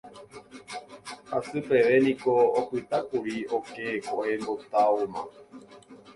Hasy peve niko opytákuri oke ko'ẽmbotávoma.